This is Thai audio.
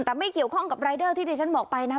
แต่ไม่เกี่ยวข้องกับรายเดอร์ที่ที่ฉันบอกไปนะ